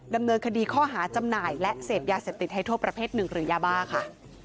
ดำเนินคดีข้อหาจำหน่ายและเสพยาเสพติดให้โทษประเภทหนึ่งหรือยาบ้าค่ะ